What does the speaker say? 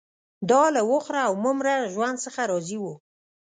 دا له وخوره او مه مره ژوند څخه راضي وو